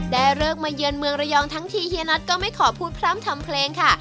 เลิกมาเยือนเมืองระยองทั้งทีเฮียน็อตก็ไม่ขอพูดพร่ำทำเพลงค่ะ